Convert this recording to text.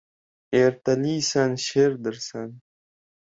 Ertalisan, sherdirsan